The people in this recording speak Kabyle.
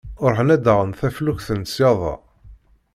Ruḥen ad d-aɣen taflukt n ssyaḍa.